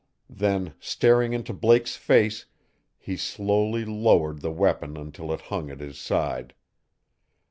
Then, staring into Blake's face, he slowly lowered the weapon until it hung at his side.